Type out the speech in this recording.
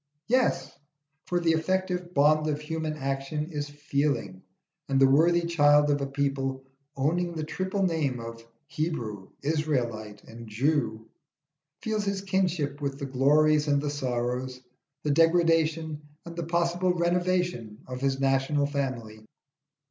Yes, for the effective bond of human action is feeling, and the worthy child of a people owning the triple name of Hebrew, Israelite, and Jew, feels his kinship with the glories and the sorrows, the degradation and the possible renovation of his national family.